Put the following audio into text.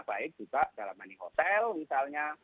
baik juga dalam maning hotel misalnya